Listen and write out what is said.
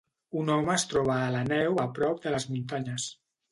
Un home es troba a la neu a prop de les muntanyes.